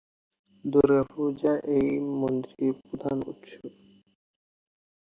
দুর্গাপূজা এই মন্দিরের প্রধান উৎসব।